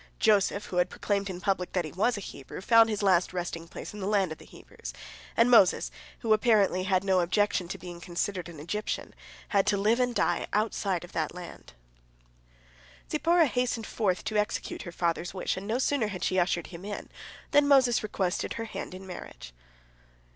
Joseph, who had proclaimed in public that he was a Hebrew, found his last resting place in the land of the Hebrews, and Moses, who apparently had no objection to being considered an Egyptian, had to live and die outside of that land. Zipporah hastened forth to execute her father's wish, and no sooner had she ushered him in than Moses requested her hand in marriage.